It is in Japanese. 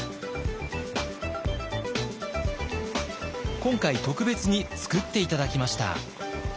今回特別に作って頂きました。